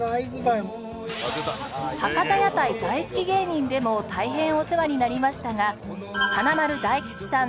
博多屋台大好き芸人でも大変お世話になりましたが華丸・大吉さん